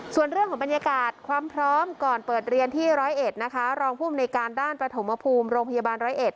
ส่วนเรื่องของบรรยากาศความพร้อมก่อนเปิดเรียนที่ร้อยเอ็ดนะคะรองภูมิในการด้านประถมภูมิโรงพยาบาลร้อยเอ็ด